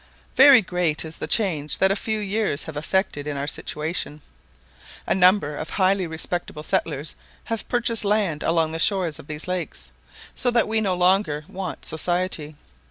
Very great is the change that a few years have effected in our situation. A number of highly respectable settlers have purchased land along the shores of these lakes, so that we no longer want society.